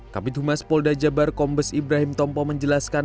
kabinet humas pol dajabar kombes ibrahim tompo menjelaskan